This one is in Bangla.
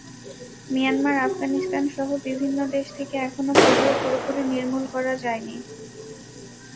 মিয়ানমার, আফগানিস্তানসহ বিভিন্ন দেশ থেকে এখনো পোলিও পুরোপুরি নির্মূল করা যায়নি।